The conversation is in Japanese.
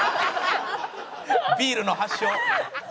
ビールの発祥。